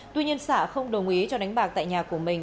tuy nhiên xạ không đồng ý cho đánh bạc tại nhà của mình